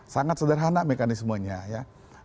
sangat sederhana mekanismenya ya